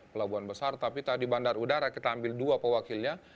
pelabuhan besar tapi tadi bandar udara kita ambil dua pewakilnya